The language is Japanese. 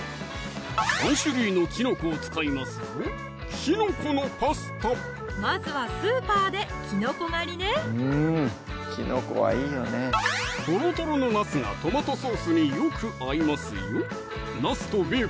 ３種類のきのこを使いますぞまずはスーパーできのこ狩りねとろとろのなすがトマトソースによく合いますよ